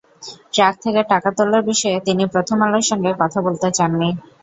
Truck থেকে টাকা তোলার বিষয়ে তিনি প্রথম আলোর সঙ্গে কথা বলতে চাননি।